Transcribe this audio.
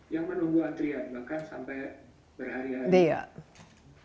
yang menunggu antrian bahkan sampai berhari hari